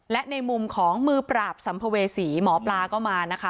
และในมุมของมือปราบสัมภเวษีหมอปลาก็มานะคะ